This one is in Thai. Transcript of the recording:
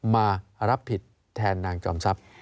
มารับผิดแทนนางจอมทรัพย์